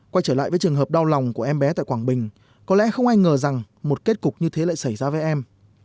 quay trở lại với trường hợp đau lòng của em bé tại quảng bình có lẽ không ai ngờ rằng một kết cục như thế lại xảy ra với em